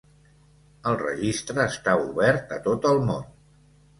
El registre està obert a tot el món.